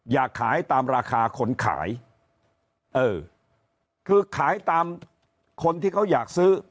อยากขายตามราคาคนขายเออคือขายตามคนที่เขาอยากซื้อ